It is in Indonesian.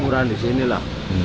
murahan di sini lah